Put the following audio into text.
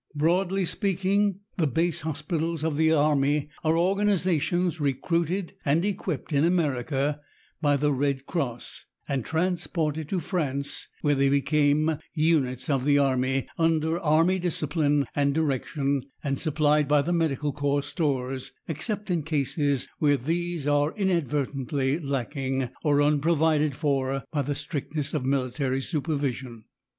Broadly speaking, the base hospitals of the army are organizations recruited and equipped in America by the Red Cross, and transported to France, where they become units of the army, under army discipline and direction, and supplied by the Medical Corps stores except in cases where these are inadvertently lacking, or unprovided for by the strictness of military supervision.